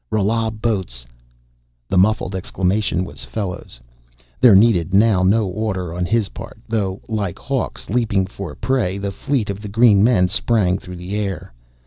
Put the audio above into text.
"Rala boats!" The muffled exclamation was Fellows'. There needed now no order on his part, though. Like hawks, leaping for prey, the fleet of the green men sprang through the air.